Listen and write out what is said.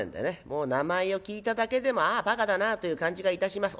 もう名前を聞いただけでもああバカだなという感じがいたします。